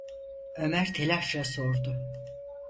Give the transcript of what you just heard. Ömer telaşla sordu: